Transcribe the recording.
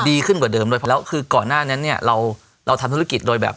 ดีขึ้นกว่าเดิมด้วยเพราะแล้วคือก่อนหน้านั้นเนี่ยเราเราทำธุรกิจโดยแบบ